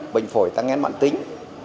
bệnh phổi tăng hén mạng tính